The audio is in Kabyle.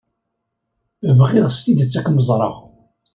Bɣiɣ s tidet ad kem-ẓreɣ.